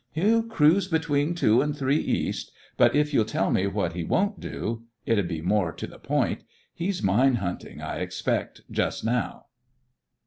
"He'll cruise between Two and Three East ; but if you'll tell me what he won't do, it 'ud be more to the point ! He'smine hunting, I expect, just now."